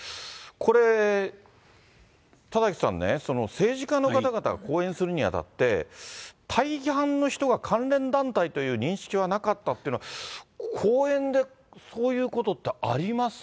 これ、田崎さんね、政治家の方々が講演するにあたって、大半の人が関連団体という認識はなかったっていうのは、講演でそういうことってあります？